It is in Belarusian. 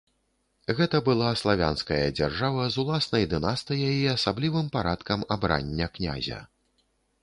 Гэта была славянская дзяржава з уласнай дынастыяй і асаблівым парадкам абрання князя.